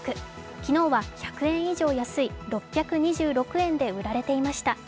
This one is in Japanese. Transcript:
昨日は１００円以上安い６２６円で売られていました